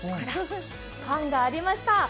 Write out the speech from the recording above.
パンがありました。